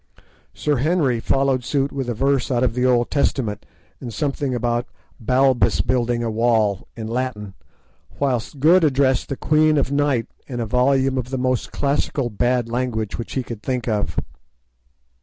Sir Henry followed suit with a verse out of the Old Testament, and something about Balbus building a wall, in Latin, whilst Good addressed the Queen of Night in a volume of the most classical bad language which he could think of.